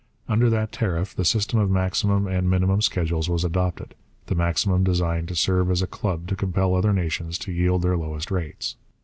Under that tariff the system of maximum and minimum schedules was adopted, the maximum designed to serve as a club to compel other nations to yield their lowest rates.